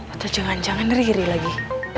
atau jangan jangan ngeri riri lagi